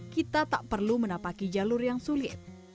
kita tak perlu menapaki jalur yang sulit